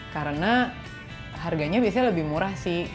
karena harganya biasanya lebih murah sih